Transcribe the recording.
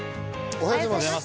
おはようございます。